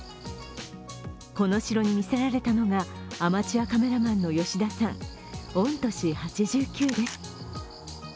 この城に見せられたのは、アマチュアカメラマンの吉田さん、御年８９です。